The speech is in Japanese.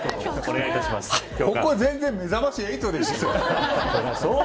ここは全然めざまし８でしょう。